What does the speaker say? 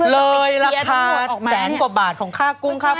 เลยละคราดแสนกว่าบาทของข้าขรุมข้าฟู